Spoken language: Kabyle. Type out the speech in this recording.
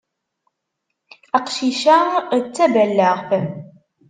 Aqcic-a d taballaɣt.